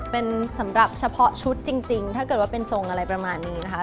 เป็นสำหรับเฉพาะชุดจริงถ้าเกิดว่าเป็นทรงอะไรประมาณนี้นะคะ